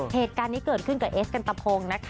เหตุการณ์นี้เกิดขึ้นกับเอสกันตะพงนะคะ